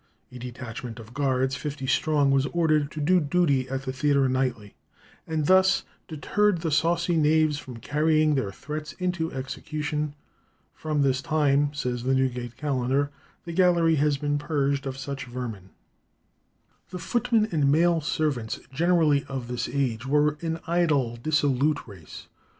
A detachment of the guards, fifty strong, was ordered to do duty at the theatre nightly, and "thus deterred the saucy knaves from carrying their threats into execution. From this time," says the "Newgate Calendar," "the gallery has been purged of such vermin." The footmen and male servants generally of this age were an idle, dissolute race.